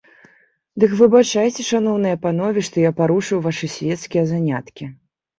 Дык выбачайце, шаноўныя панове, што я парушыў вашы свецкія заняткі.